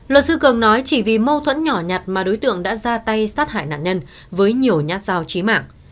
luật sư cường nói chỉ vì mâu thuẫn nhỏ nhặt mà đối tượng đã ra tay sát hại nạn nhân với nhiều nhát dao trí mạng